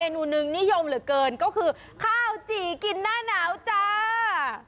นูนึงนิยมเหลือเกินก็คือข้าวจี่กินหน้าหนาวจ้า